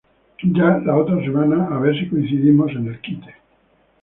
Ya la otra semana a ver si coincidimos en el kite...